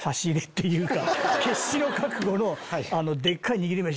決死の覚悟の。